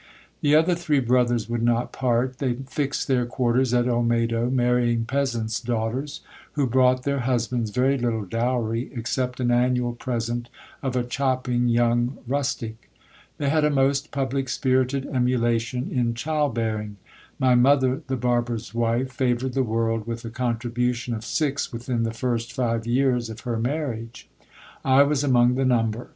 The other three brothers would not part ; they fixed their quarters at Olmedo, marrying peasants' daughters, who brought their husbands very little dowry, except an annual present of a chopping young rustic. They had a most public spirited emulation in child bearing. My mother, the barber's wife, favoured the world with a contribution of six within the first five years of her marriage. I was among the number.